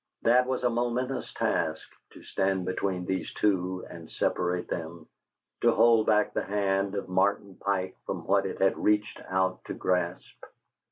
That was a monstrous task to stand between these two and separate them, to hold back the hand of Martin Pike from what it had reached out to grasp.